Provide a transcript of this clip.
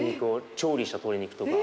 調理した鶏肉とか。